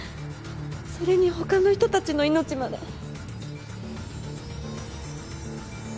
それに他の人たちの命まで。